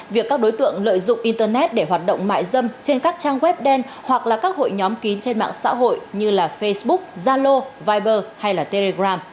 việc các đối tượng lợi dụng internet để hoạt động mại dâm trên các trang web đen hoặc là các hội nhóm kín trên mạng xã hội như facebook zalo viber hay telegram